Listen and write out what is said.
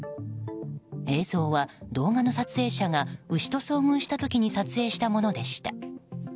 映像は、動画の撮影者が牛と遭遇した時に撮影したものでした。